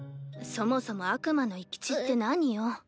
そもそも悪魔の生き血って何よ？